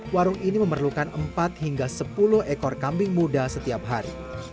warung ini memerlukan empat hingga sepuluh ekor kambing muda setiap hari